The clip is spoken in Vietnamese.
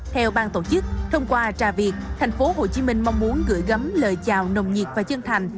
theo bang tổ chức thông qua trà việt tp hcm mong muốn gửi gắm lời chào nồng nhiệt và chân thành